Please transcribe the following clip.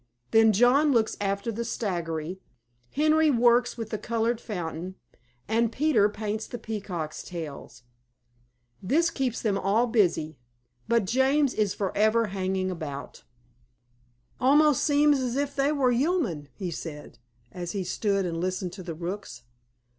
Then John looks after the staggery; Henry works the coloured fountain; and Peter paints the peacocks' tails. This keeps them all busy, but James is for ever hanging about. "Almost seems as if they were yooman," he said, as we stood and listened to the rooks.